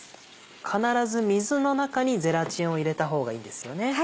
必ず水の中にゼラチンを入れた方がいいんですよね。